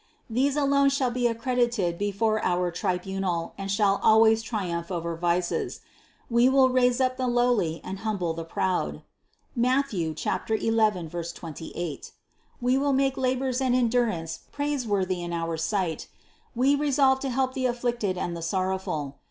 These alone shall be accredited before our tribunal and shall always triumph over vices. We will raise up the lowly and humble the proud (Matth. 11, 28) ; we will 110 CITY OF GOD make labors and endurance praiseworthy in our sight; we resolve to help the afflicted and the sorrowful.